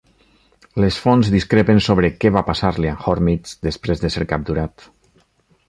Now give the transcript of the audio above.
Les fonts discrepen sobre què va passar-li a en Hormizd després de ser capturat.